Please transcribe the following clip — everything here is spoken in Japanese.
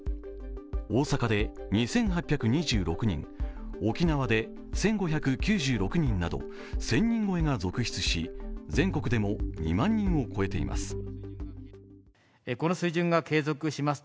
大阪で２８２６人、沖縄で１５９６人など１０００人超えが続出し、全国でも２万人を超えています。